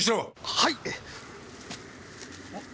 はい！